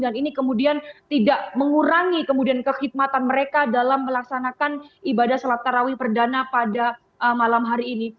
dan ini kemudian tidak mengurangi kemudian kehidmatan mereka dalam melaksanakan ibadah sholat tarawih perdana pada malam hari ini